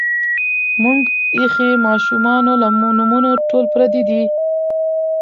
مونږ ایخي مـاشومـانو لـه نومـونه ټول پردي دي